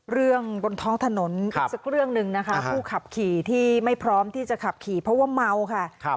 บนท้องถนนอีกสักเรื่องหนึ่งนะคะผู้ขับขี่ที่ไม่พร้อมที่จะขับขี่เพราะว่าเมาค่ะ